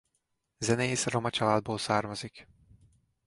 Zenész roma családból származik.